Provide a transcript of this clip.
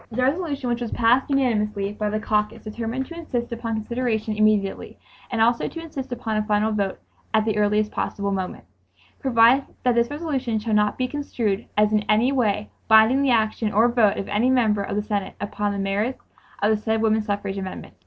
The resolution which was passed unanimously by the caucus determined to "insist upon consideration immediately" and 'also to insist upon a final vote ... at the earliest possible moment …. Provided, That this resolution shall not be construed as in any way binding the action or vote of any Member of the Senate upon the merits of the said woman suffrage amendment."